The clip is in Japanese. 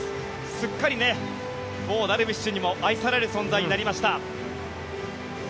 すっかりダルビッシュにも愛される存在になりました。